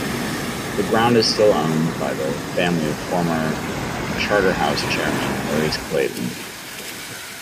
The ground is still owned by the family of former Charterhouse Chairman Maurice Clayton.